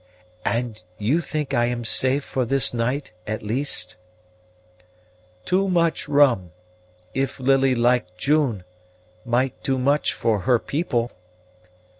"And you think I am safe for this night, at least?" "Too much rum. If Lily like June, might do much for her people."